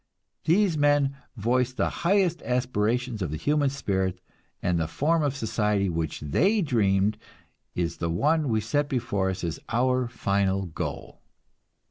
These men voiced the highest aspirations of the human spirit, and the form of society which they dreamed is the one we set before us as our final goal.